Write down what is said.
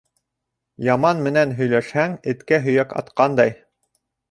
Яман менән һөйләшһәң, эткә һөйәк атҡандай.